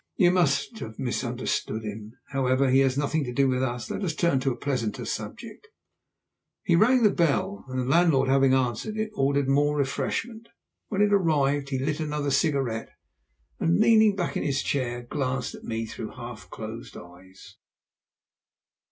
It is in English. "You must have misunderstood him. However, that has nothing to do with us. Let us turn to a pleasanter subject." He rang the bell, and the landlord having answered it, ordered more refreshment. When it arrived he lit another cigarette, and leaning back in his chair glanced at me through half closed eyes.